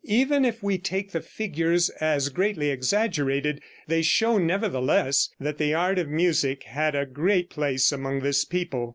Even if we take the figures as greatly exaggerated, they show nevertheless that the art of music had a great place among this people.